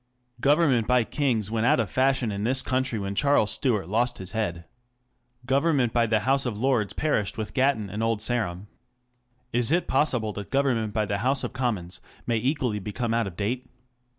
GOVERNMENT by kings went out of fashion in this country when Charles Stuart lost his head. Government by the House of Lords perished with Gatton and Old Sarum. Is it possible^ that government by the House of Commons may equally become ( out of date